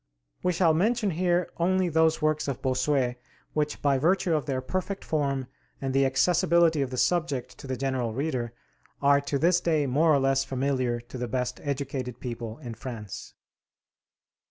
We shall mention here only those works of Bossuet which, by virtue of their perfect form and the accessibility of the subject to the general reader, are to this day more or less familiar to the best educated people in France.